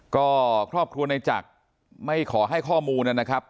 ก็ครอบครัวในจักรไม่ขอให้ข้อมูลนะครับ